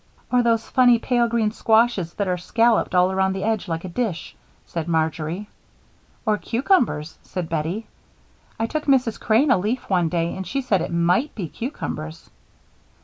"Or those funny, pale green squashes that are scalloped all around the edge like a dish," said Marjory. "Or cucumbers," said Bettie. "I took Mrs. Crane a leaf, one day, and she said it might be cucumbers."